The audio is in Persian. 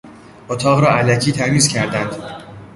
اتاق را الکی تمیز کردند.